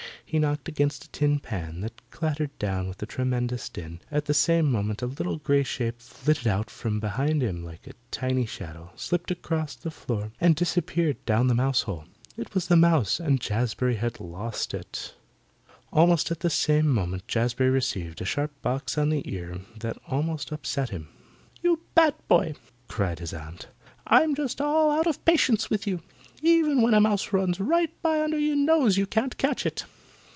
He knocked against a tin pan that clattered down with a tremendous din. At the same moment a little grey shape flitted out from behind him like a tiny shadow, slipped across the floor and disappeared down the mouse hole. It was the mouse, and Jazbury had lost it. [Illustration: He knocked against a tin pan that clattered down with a tremendous din ] Almost at the same moment Jazbury received a sharp box on the ear that almost upset him. "You bad boy!" cried his aunt. "I'm just all out of patience with you. Even when a mouse runs right by under your nose you can't catch it."